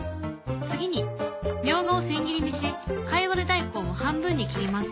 次にみょうがを千切りにしかいわれ大根を半分に切ります。